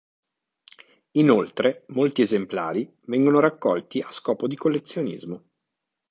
Inoltre molti esemplari vengono raccolti a scopo di collezionismo.